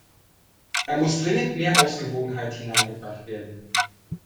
Da muss dringend mehr Ausgewogenheit hineingebracht werden.